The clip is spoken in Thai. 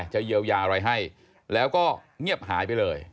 จะเยียวยาอะไรให้แล้วก็เงียบหายไปเลย